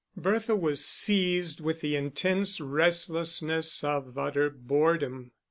Bertha was seized with the intense restlessness of utter boredom.